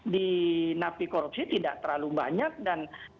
di napi korupsi tidak terlalu banyak dan